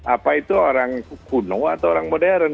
apa itu orang kuno atau orang modern